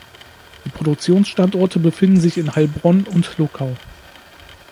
Die Produktionsstandorte befinden sich in Heilbronn und in Luckau.